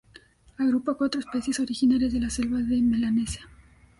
Agrupa a cuatro especies originarias de las selvas de Melanesia.